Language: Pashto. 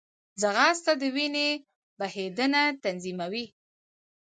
ځغاسته د وینې بهېدنه تنظیموي